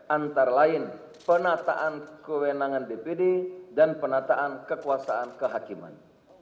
antara lain penataan kewenangan dpd dan penataan kekuasaan kehakiman